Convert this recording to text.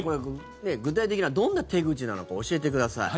具体的にはどんな手口なのか教えてください。